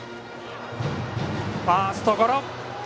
ファーストゴロ。